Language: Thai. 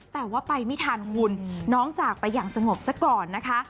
แต่ว่าไปไม่ทันคุณน้องจากไปอย่างสงบซะก่อนนะคะ